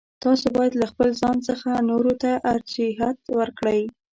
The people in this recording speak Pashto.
تاسو باید له خپل ځان څخه نورو ته ارجحیت ورکړئ.